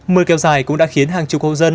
mưa kéo dài cũng đã khiến hàng chục hộ dân